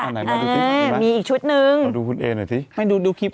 อ่ามีอีกชุดนึงเอาดูคุณเอ๋หน่อยซิไม่ดูคลิป